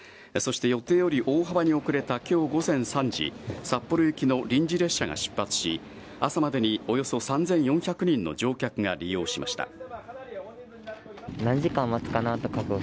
そして予定より大幅に遅れた今日午前３時札幌行きの臨時列車が出発し朝までに、およそ３４００人の乗客が利用しました。